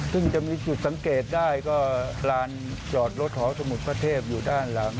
ซึ่งจะมีจุดสังเกตได้ก็ลานจอดรถของสมุทรพระเทพอยู่ด้านหลัง